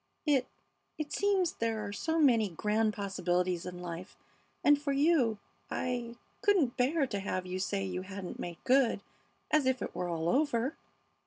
"I It seems there are so many grand possibilities in life, and for you I couldn't bear to have you say you hadn't made good, as if it were all over."